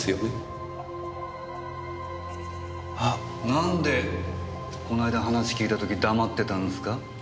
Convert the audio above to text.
なんでこの間話聞いた時黙ってたんですか？